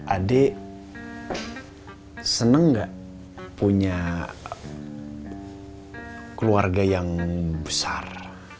adik seneng nggak punya keluarga yang besar